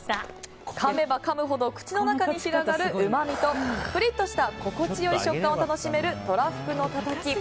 かめばかむほど口の中に広がるうまみとプリッとした心地よい食感を楽しめるとらふくのたたき。